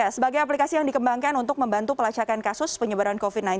sebagai aplikasi yang dikembangkan untuk membantu pelacakan kasus penyebaran covid sembilan belas